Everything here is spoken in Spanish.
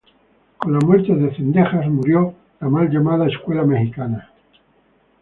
Con la muerte de Zendejas, murió la mal llamada escuela mexicana.